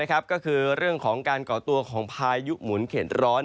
ก็คือเรื่องของการก่อตัวของพายุหมุนเข็ดร้อน